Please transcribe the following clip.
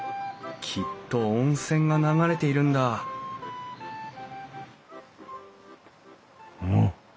きっと温泉が流れているんだあっ？